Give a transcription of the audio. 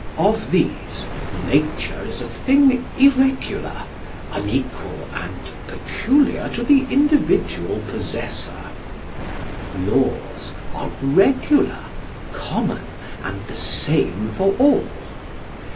Of these, nature is a thing irregular, unequal, and peculiar to the individual possessor; laws are regular, common, and the same for all.